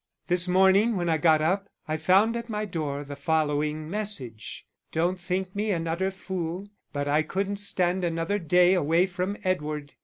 _ This morning when I got up I found at my door the following message: "Don't think me an utter fool, but I couldn't stand another day away from Edward.